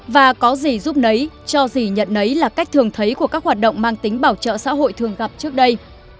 và có gì giúp nấy cho gì nhận nấy là cách thường thấy của các hoạt động mang tính bảo trợ xã hội thường gặp trước đây